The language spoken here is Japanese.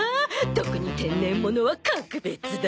特に天然物は格別だ。